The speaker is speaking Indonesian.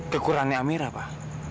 kekurangan amira pak